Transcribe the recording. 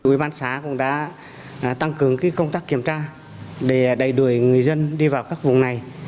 ubx cũng đã tăng cường công tác kiểm tra để đẩy đuổi người dân đi vào các vùng này